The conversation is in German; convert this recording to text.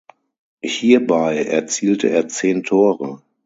Hierbei erzielte er zehn Tore.